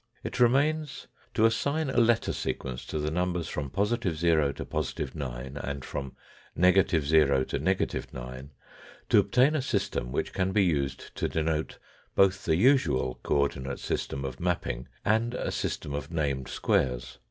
It remains to assign a letter sequence to the numbers from positive to positive 9, and from negative to negative 9, to obtain a system which can be used to denote both the usual co ordinate system of mapping and a system of named squares.